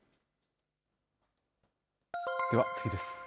では次です。